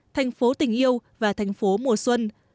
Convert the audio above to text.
thành phố tình yêu và thành phố mùa xuân